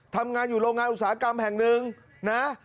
ทำงานอยู่โรงงานอุตสาหกรรมแห่งหนึ่งนะ